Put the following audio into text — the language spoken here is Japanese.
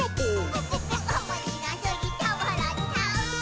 「ぷぷぷおもしろすぎてわらっちゃう」